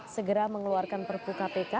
segera mengeluarkan perpu kpk